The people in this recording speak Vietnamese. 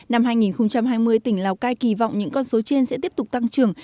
năm hai nghìn hai mươi tỉnh lào cai kỳ vọng những con số trên sẽ tiếp tục tăng trưởng